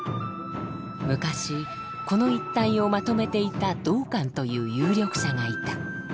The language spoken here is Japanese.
「昔この一帯をまとめていた道灌という有力者がいた。